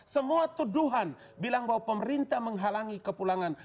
semua tuduhan bilang bahwa pemerintah menghalangi kepulangan